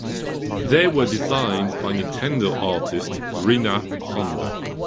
They were designed by Nintendo artist Rina Honda.